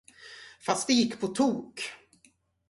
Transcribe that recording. Fast det gick på tok.